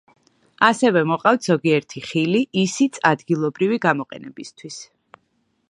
ასევე მოყავთ ზოგიერთი ხილი, ისიც ადგილობრივი გამოყენებისთვის.